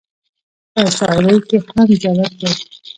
پۀ شاعرۍ کښې هم جوت دے -